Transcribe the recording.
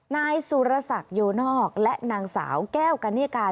นายสุรสักโยนอกและนางสาวแก้วกันนิกา